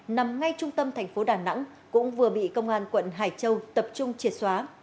nằm ngay trung tâm thành phố đà nẵng cũng vừa bị công an quận hải châu tập trung triệt xóa